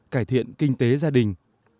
cải thiện kinh tế gia đình